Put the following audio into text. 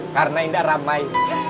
karena enggak ramai